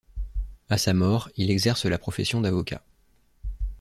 À sa mort, il exerce la profession d'avocat.